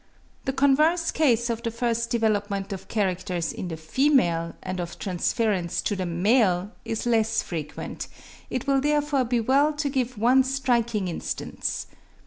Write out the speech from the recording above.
The converse case of the first development of characters in the female and of transference to the male, is less frequent; it will therefore be well to give one striking instance.